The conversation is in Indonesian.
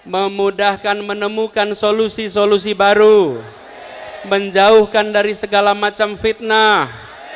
memudahkan menemukan solusi solusi baru menjauhkan dari segala macam fitnah